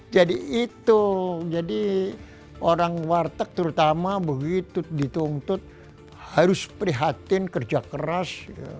jadi itu jadi orang warteg terutama begitu dituntut harus prihatin kerja keras